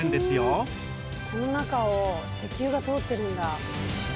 この中を石油が通ってるんだ。